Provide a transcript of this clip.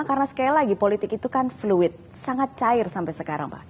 karena sekali lagi politik itu kan fluid sangat cair sampai sekarang pak